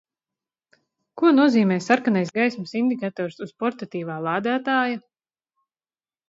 Ko nozīmē sarkanais gaismas indikators uz portatīvā lādētāja?